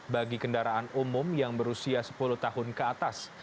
bagi kendaraan umum yang berusia sepuluh tahun ke atas